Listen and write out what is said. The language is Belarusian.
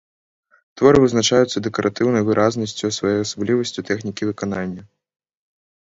Творы вызначаюцца дэкаратыўнай выразнасцю, своеасаблівасцю тэхнікі выканання.